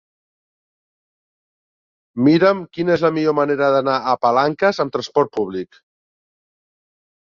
Mira'm quina és la millor manera d'anar a Palanques amb transport públic.